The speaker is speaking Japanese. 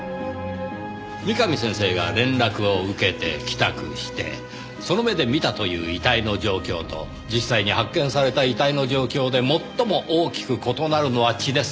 三上先生が連絡を受けて帰宅してその目で見たという遺体の状況と実際に発見された遺体の状況で最も大きく異なるのは血です。